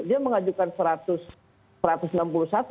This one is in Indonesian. dia mengajukan satu ratus enam puluh satu untuk rohep topik